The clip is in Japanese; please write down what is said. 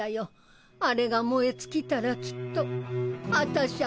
あれが燃え尽きたらきっとあたしゃ